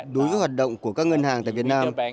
đối với hoạt động của các ngân hàng tại việt nam